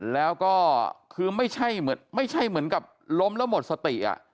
แล้วก็คือไม่ใช่เหมือนกับล้มแล้วหมดสติ